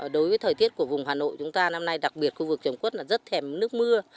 đối với thời tiết của vùng hà nội chúng ta năm nay đặc biệt khu vực chấm cốt là rất thèm nước mưa